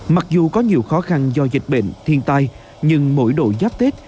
mặc dù có nhiều khó khăn do dịch bệnh thiên tai nhưng mỗi độ giáp tết